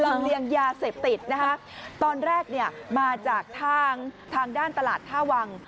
ลำเลียงยาเสพติดตอนแรกมาจากทางด้านตลาดท่าวัง